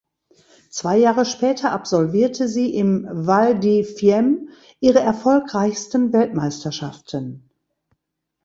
Zwei Jahre später absolvierte sie im Val di Fiemme ihre erfolgreichsten Weltmeisterschaften.